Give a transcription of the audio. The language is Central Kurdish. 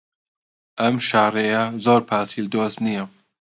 ئەم شاڕێیە زۆر پایسکل دۆست نییە.